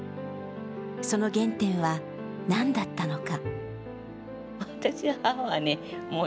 その原点は何だったのか。